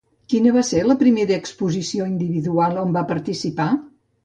Quina va ser la primera exposició individual on va participar?